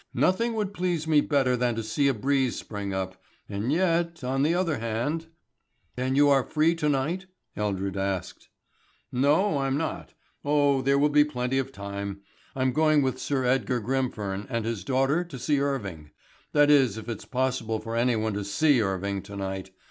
Nothing would please me better than to see a breeze spring up, and yet on the other hand " "Then you are free to night?" Eldred asked. "No, I'm not. Oh, there will be plenty of time. I'm going with Sir Edgar Grimfern, and his daughter to see Irving, that is if it is possible for anyone to see Irving to night.